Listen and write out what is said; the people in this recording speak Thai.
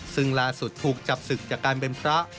ซึ่งล่าสุดถูกจับศึกจากการเป็นพระ